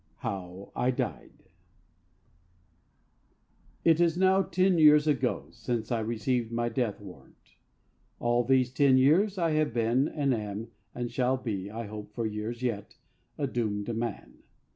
HOW I DIED It is now ten years ago since I received my death warrant. All these ten years I have been, and I am, and shall be, I hope, for years yet, a Doomed Man.